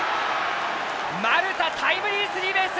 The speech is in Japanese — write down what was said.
丸田、タイムリースリーベース！